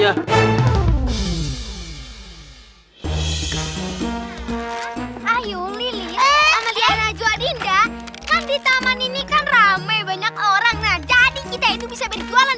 ayo lili melihara jualin kan di taman ini kan rame banyak orang nah jadi kita itu bisa berjualan